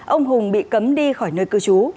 ông hùng bị cấm đi khỏi nơi cư trú